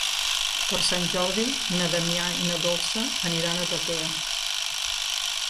Per Sant Jordi na Damià i na Dolça aniran a Batea.